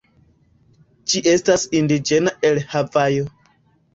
Ĝi estas indiĝena el Havajo.